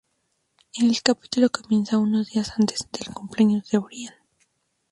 El capítulo comienza unos días antes del cumpleaños de Brian.